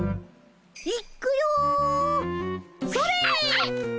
いっくよそれっ！